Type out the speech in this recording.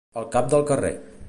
Al cap del carrer.